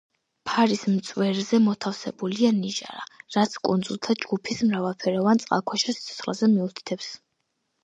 ფარის წვერზე მოთავსებულია ნიჟარა, რაც კუნძულთა ჯგუფის მრავალფეროვან წყალქვეშა სიცოცხლეზე მიუთითებს.